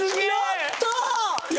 やった！